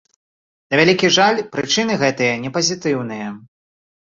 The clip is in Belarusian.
На вялікі жаль, прычыны гэтыя не пазітыўныя.